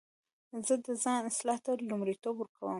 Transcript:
زه د ځان اصلاح ته لومړیتوب ورکوم.